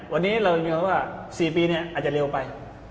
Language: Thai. วันนี้เรามีความรู้สึกว่า๔ปีเนี่ยอาจจะเร็วไป